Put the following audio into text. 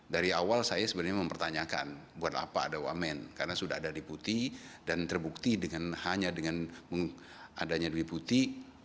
dari awal saya sebenarnya mempertanyakan buat apa ada wamen karena sudah ada deputi dan terbukti dengan hanya dengan adanya deputi